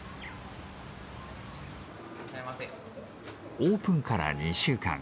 オープンから２週間。